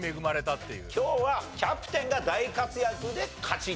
今日はキャプテンが大活躍で勝ちっていうのを。